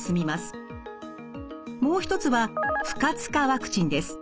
もう一つは不活化ワクチンです。